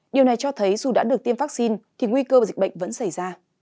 điều này cho thấy dù đã được tiêm vaccine thì nguy cơ dịch bệnh vẫn xảy ra